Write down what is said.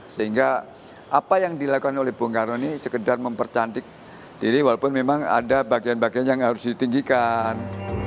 sehingga apa yang dilakukan oleh bung karno ini sekedar mempercantik diri walaupun memang ada bagian bagian yang harus ditinggikan